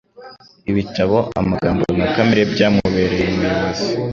Ibitabo, amagambo na kamere byamubereye umuyobozi.